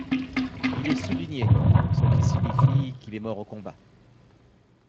Il est souligné, ce qui signifie qu’il est mort au combat.